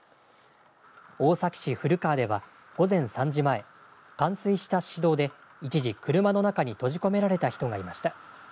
大崎市古川では、午前３時前、冠水した市道で、一時、車の中に閉じ込められた人がいました。